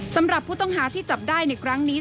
สำหรับผู้ต้องหาที่จับได้ในครั้งนี้